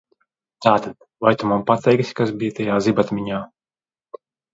Tātad, vai tu man pateiksi, kas bija tajā zibatmiņā?